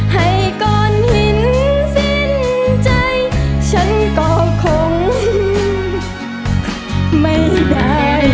ให้ก้อนหินสิ้นสิ้นใจฉันก็คงไม่ได้